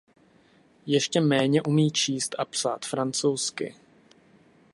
Ještě méně umí číst a psát francouzsky.